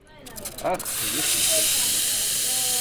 Ах, если б только раз